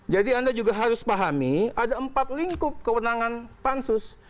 jadi anda juga harus pahami ada empat lingkup kewenangan pansus